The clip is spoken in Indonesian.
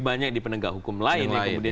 banyak di penegak hukum lain yang kemudian